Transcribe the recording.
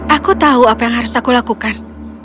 aku tahu apa yang harus aku lakukan